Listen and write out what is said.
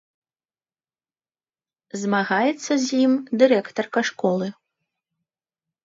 Змагаецца з ім дырэктарка школы.